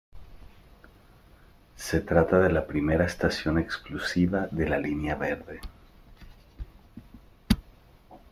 Se trata de la primera estación exclusiva de la Línea Verde.